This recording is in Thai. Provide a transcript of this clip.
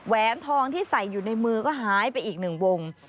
แวนทองที่ใส่อยู่ในมือก็หายไปอีกหนึ่งวง